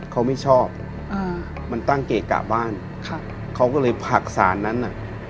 เขาไม่ชอบอ่ามันตั้งเกะกะบ้านเขาก็เลยผลักสารนั้นน่ะ